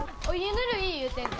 ぬるい言うてんで。